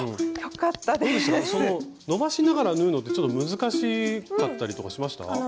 伸ばしながら縫うのってちょっと難しかったりとかしました？